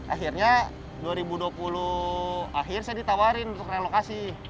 akhirnya dua ribu dua puluh akhir saya ditawarin untuk relokasi